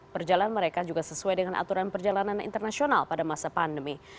perjalanan mereka juga sesuai dengan aturan perjalanan internasional pada masa pandemi